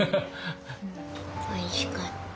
おいしかった。